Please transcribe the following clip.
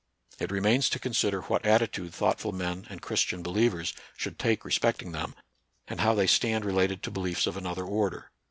It remains to consider what attitude thought ful men and Christian believers should take respecting them, and how they stand related to beliefs of another order.